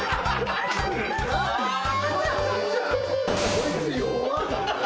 こいつ弱っ。